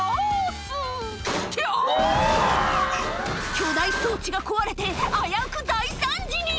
って、巨大装置が壊れて、危うく大惨事に。